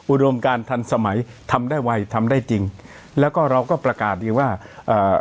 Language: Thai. อุดมการทันสมัยทำได้ไวทำได้จริงแล้วก็เราก็ประกาศดีว่าเอ่อ